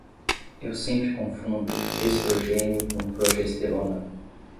Eu sempre confundo estrogênio com progesterona.